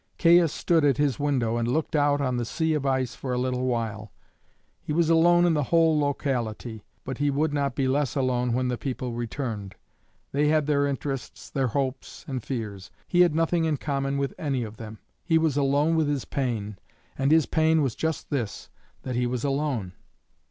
Caius stood at his window and looked out on the sea of ice for a little while. He was alone in the whole locality, but he would not be less alone when the people returned. They had their interests, their hopes and fears; he had nothing in common with any of them; he was alone with his pain, and his pain was just this, that he was alone.